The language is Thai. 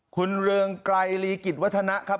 คุณเรืองไกรลีกิจวัฒนะครับ